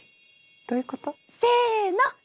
どういうこと？せの。